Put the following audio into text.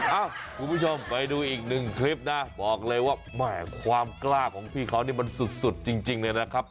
เอ้าคุณผู้ชมไปดูอีกหนึ่งคลิปนะบอกเลยว่าแหมความกล้าของพี่เขานี่มันสุดจริงเลยนะครับ